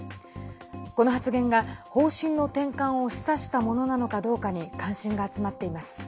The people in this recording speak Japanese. この発言が方針の転換を示唆したものなのかどうかに関心が集まっています。